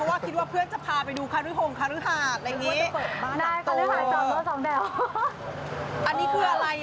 ได้ค่ะขึ้นรถสองแถวได้ด้วย